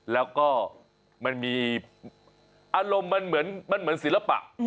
แล้วก็มันมีอารมณ์มันเหมือนศิลปะ